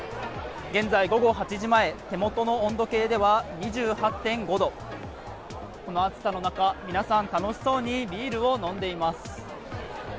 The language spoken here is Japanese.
現在午後８時前、手元の温度計では２８．５度、この暑さの中、皆さん楽しそうにビールを飲んでいます。